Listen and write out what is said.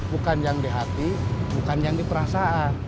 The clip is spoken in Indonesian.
bukan yang di hati bukan yang di perasaan